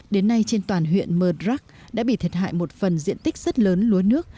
đến nay trên toàn huyện mờ rắc đã bị thiệt hại một phần diện tích rất lớn lúa nước